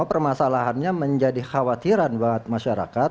permasalahannya menjadi khawatiran buat masyarakat